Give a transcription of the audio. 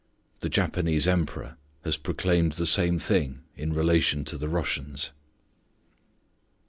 The Japanese Emperor has proclaimed the same thing in relation to the Russians.